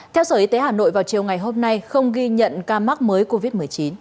theo sở y tế hà nội vào chiều ngày hôm nay không ghi nhận ca mắc mới covid một mươi chín